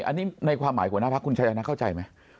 อันนี้ในความหมายหัวหน้าพักคุณชายชนะเข้าใจไหม